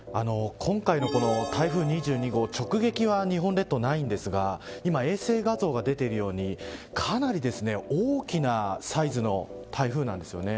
今回の台風２２号直撃は、日本列島ないんですが今、衛星画像が出ているようにかなり大きなサイズの台風なんです。